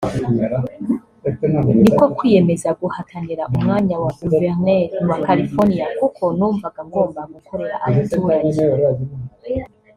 ni ko kwiyemeza guhatanira umwanya wa Gouverneur wa California kuko numvaga ngomba gukorera abaturage